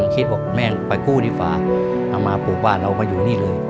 คิดบอกแม่ไปกู้ดีกว่าเอามาปลูกบ้านเรามาอยู่นี่เลย